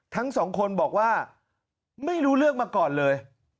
ทั้งสองคนบอกว่าไม่รู้เรื่องมาก่อนเลย